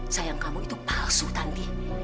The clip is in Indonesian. sayang kamu itu palsu tanding